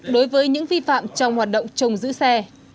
đối với những vi phạm trong hoạt động trông giữ xe